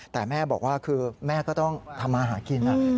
แต่แม่บอกว่าคือแม่ก็ต้องทำมาหากิน